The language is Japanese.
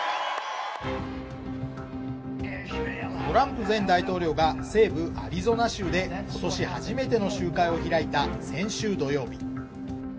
トランプ前大統領が西部アリゾナ州で今年初めての集会を開いた先週土曜日。